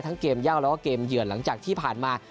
ทั้งเกมย่าวและเกมเหยื่อนหลังจากที่ผ่านมา